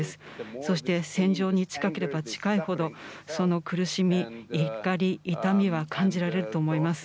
そして、戦場に近ければ近いほど、その苦しみ、怒り、痛みは感じられると思います。